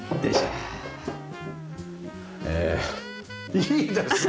ああいいですね！